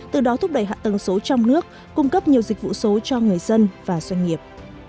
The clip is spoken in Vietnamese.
từ đó thúc đẩy hạ tầng số trong nước cung cấp nhiều dịch vụ số cho người dân và doanh nghiệp